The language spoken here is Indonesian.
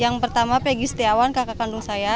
yang pertama peggy setiawan kakak kandung saya